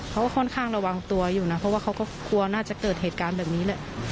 เขาก็ค่อนข้างระวังตัวอยู่นะเพราะว่าเขาก็กลัวน่าจะเกิดเหตุการณ์แบบนี้แหละ